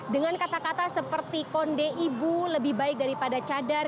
dengan kata kata seperti konde ibu lebih baik daripada cadar